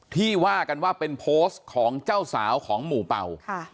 ที่ว่ากันว่าเป็นโพสต์ของเจ้าสาวของหมู่เป่า